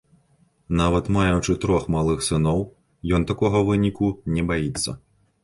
Нават маючы трох малых сыноў, ён такога выніку не баіцца.